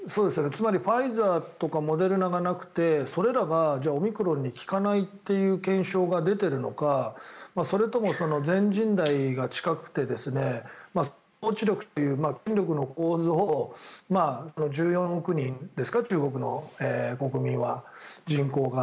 つまりファイザーとかモデルナがなくてそれらがオミクロンに効かないという検証が出ているのかそれとも、全人代が近くて統治力という権力の構図を１４億人ですか、中国の人口は。